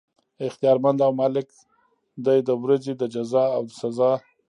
اختيار مند او مالک دی د ورځي د جزاء او سزاء